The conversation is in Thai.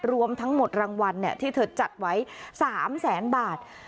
รวมทั้งหมดรางวัลที่เธอจัดไว้๓แสนบาท